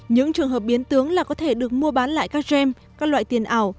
những trường hợp biến tướng là có thể được mua bán lại các gem các loại tiền ảo